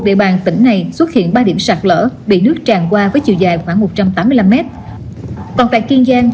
địa bàn tỉnh này xuất hiện ba điểm sạt lở bị nước tràn qua với chiều dài khoảng một trăm tám mươi năm mét còn tại kiên giang